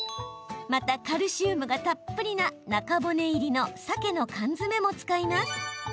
また、カルシウムがたっぷりな中骨入りのさけの缶詰も使います。